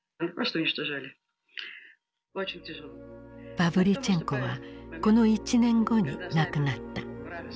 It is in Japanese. パヴリチェンコはこの１年後に亡くなった。